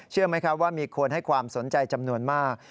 ไหมครับว่ามีคนให้ความสนใจจำนวนมาก